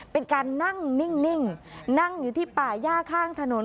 เป็นการนั่งนิ่งนั่งอยู่ที่ป่าย่าข้างถนน